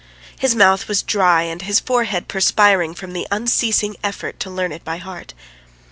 His mouth was dry and his forehead perspiring from the unceasing effort to learn it by heart.